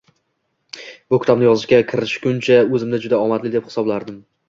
Bu kitobni yozishga kirishguncha oʻzimni juda omadli deb hisoblardim.